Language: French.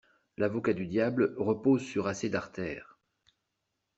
L'avocat du diable repose sur assez d'artères.